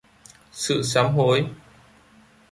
sự sám hối